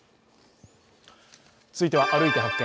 続いては「歩いて発見！